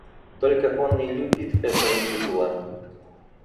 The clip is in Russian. Только он не любит этого титула.